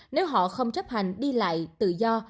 nếu họ không chấp hành đi lại tự do